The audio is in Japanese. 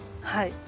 はい。